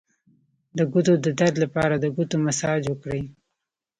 د ګوتو د درد لپاره د ګوتو مساج وکړئ